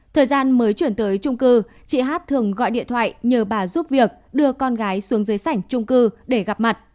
thời gian mới chuyển tới trung cư chị hát thường gọi điện thoại nhờ bà giúp việc đưa con gái xuống dưới sảnh trung cư để gặp mặt